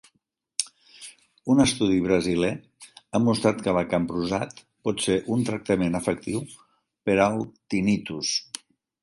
Un estudi brasiler ha mostrat que l'acamprosat pot ser un tractament efectiu per al tinnitus.